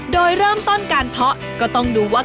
โดยเริ่มต้นการเพาะก็ต้องดูว่า